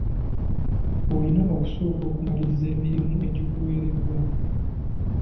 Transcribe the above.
Olina okusooka okumaliriza emirimu egikuweereddwa.